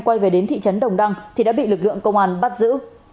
quay về đến thị trấn đồng đăng thì đã bị lực lượng công an bắt giữ